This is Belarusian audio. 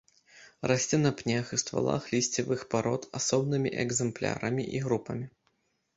Расце на пнях і ствалах лісцевых парод асобнымі экзэмплярамі і групамі.